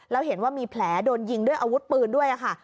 แล้วเห็นว่ามีแผลโดนยิงด้วยอาวุธปืนด้วยค่ะ